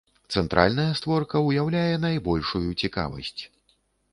Цэнтральная створка ўяўляе найбольшую цікавасць.